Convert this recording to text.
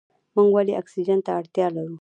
موږ ولې اکسیجن ته اړتیا لرو؟